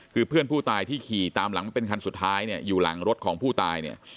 คือเพื่อนผู้ตายที่ขี่ตามหลังมาเป็นคันสุดท้ายเนี่ยอยู่หลังรถของผู้ตายเนี่ย